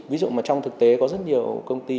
ví dụ mà trong thực tế có rất nhiều công ty